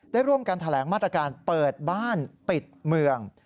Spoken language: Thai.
ได้ร่วมกันแถลงมาตรการเปิดบ้านปิดเมือง